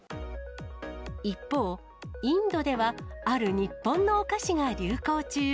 一方、インドでは、ある日本のお菓子が流行中。